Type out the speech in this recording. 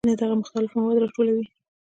وینه دغه مختلف مواد راټولوي.